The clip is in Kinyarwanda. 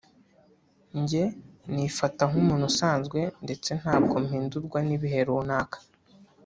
njye nifata nk’umuntu usanzwe ndetse ntabwo mpindurwa n’ibihe runaka